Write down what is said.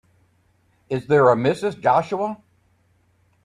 Is there a Mrs. Joshua?